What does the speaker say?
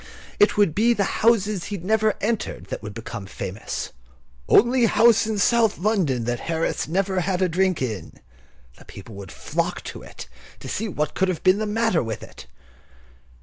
It would be the houses that he had never entered that would become famous. "Only house in South London that Harris never had a drink in!" The people would flock to it to see what could have been the matter with it.